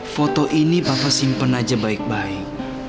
foto ini papa simpen aja baik baik